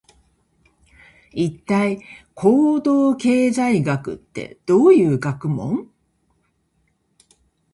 一体、行動経済学ってどういう学問？